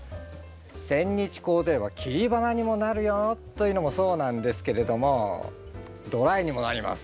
センニチコウでは切り花にもなるよというのもそうなんですけれどもドライにもなります。